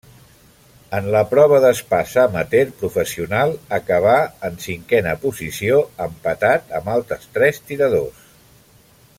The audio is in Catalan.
En la prova d'espasa amateur-professional acabà en cinquena posició, empatat amb tres altres tiradors.